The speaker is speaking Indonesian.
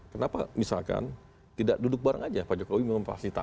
kenapa misalkan tidak duduk bareng aja pak jokowi memang pasti tidak